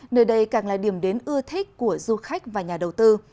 nơi đây càng là điểm đến ưa thích của du khách và nhà đầu tư